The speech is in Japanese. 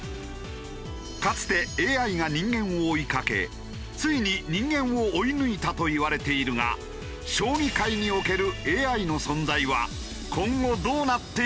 かつてＡＩが人間を追いかけついに人間を追い抜いたといわれているが将棋界におけるＡＩの存在は今後どうなっていくのか？